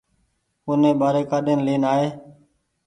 اوني ٻآري ڪآڏين لين آئي